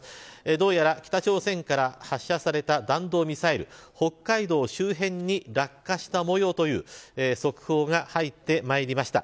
どうやら、北朝鮮から発射された弾道ミサイル北海道周辺に落下したもようという速報が入ってまいりました。